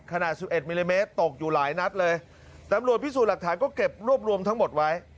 ขนาดสิบเอ็ดมิลลิเมตรตกอยู่หลายนัดเลยตำรวจพิสูจน์หลักฐานก็เก็บรวบรวมทั้งหมดไว้